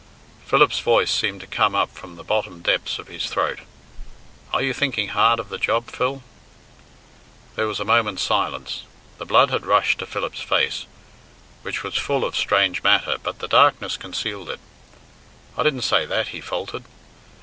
Philip's voice seemed to come up from the bottom depths of his throat. "Are you thinking hard of the job, Phil?" There was a moment's silence. The blood had rushed to Philip's face, which was full of strange matter, but the darkness concealed it. "I didn't say that," he faltered.